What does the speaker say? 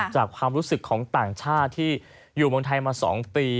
ความรู้สึกของต่างชาติที่อยู่เมืองไทยมา๒ปี